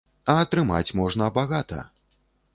А атрымаць можна багата.